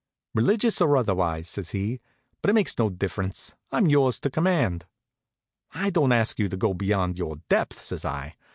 "Religious, or otherwise?" says he. "But it makes no difference; I'm yours to command." "I don't ask you to go beyond your depth," says I.